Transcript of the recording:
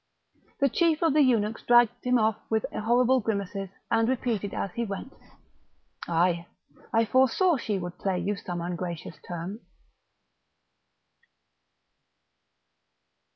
The chief of the eunuchs dragged him off with horrible grimaces, and repeated as he went: "Ay, I foresaw she would play you some ungracious turn!"